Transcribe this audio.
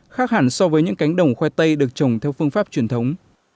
khác hẳn so với những cánh đồng khoai tây được trồng theo phương pháp truyền thống